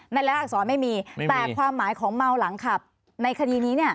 รายละอักษรไม่มีแต่ความหมายของเมาหลังขับในคดีนี้